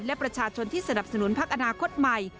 และประชาชนที่สนับสนุนพักอนาคตใหม่